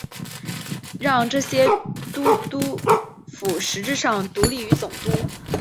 让这些都督府实质上独立于总督。